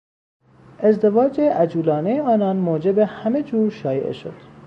ازدواج عجولانه آنان موجب همهجور شایعه شد.